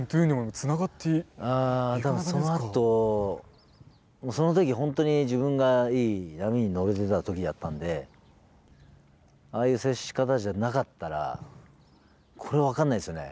あ多分そのあとその時本当に自分がいい波に乗れてた時だったんでああいう接し方じゃなかったらこれ分かんないですよね。